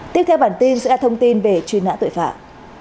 tiếp theo bản tin sẽ là thông tin về truy nã tội phạm